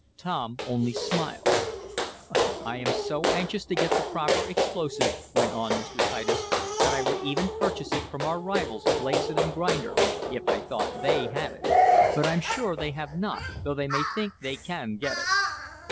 Tom only smiled. "I am so anxious to get the proper explosive," went on Mr. Titus, "that I would even purchase it from our rivals, Blakeson & Grinder, if I thought they had it. But I'm sure they have not, though they may think they can get it.